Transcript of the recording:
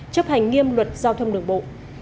chấp hành nghiêm luật giao thông đường bộ